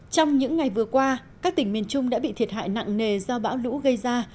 trong những ngày vừa qua các tỉnh miền trung đã bị thiệt hại nặng nề do bão lũ gây ra